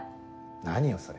何よそれ。